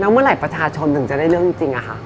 เมื่อไหร่ประชาชนถึงจะได้เรื่องจริงอะค่ะ